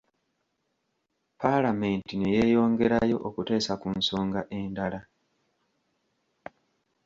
Paalamenti ne yeeyongerayo okuteesa ku nsonga endala.